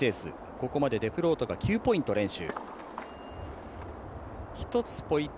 ここまでデフロートが９ポイント